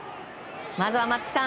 まずは、松木さん。